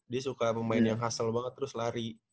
dia suka main yang hustle banget terus lari